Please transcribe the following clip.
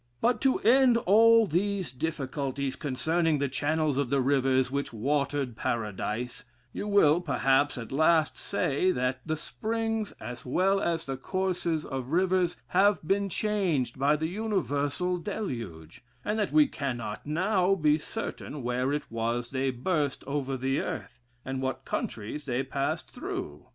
But to end all these difficulties concerning the channels of the rivers which watered Paradise, you will, perhaps, at last say, that the springs, as well as the courses of rivers, have been changed by the universal deluge: and that we cannot now be certain where it was they burst over the earth, and what countries they passed through.